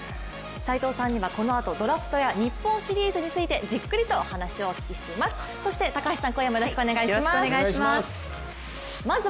斎藤さんにはこのあとドラフトや日本シリーズについてじっくりとお話をお聞きします。